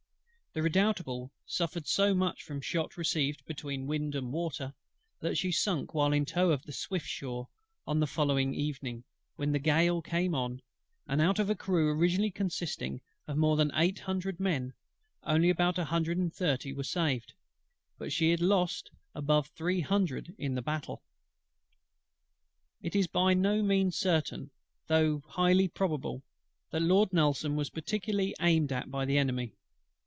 The Redoutable suffered so much from shot received between wind and water, that she sunk while in tow of the Swiftsure on the following evening, when the gale came on; and out of a crew originally consisting of more than eight hundred men, only about a hundred and thirty were saved: but she had lost above three hundred in the battle. It is by no means certain, though highly probable, that Lord NELSON was particularly aimed at by the Enemy.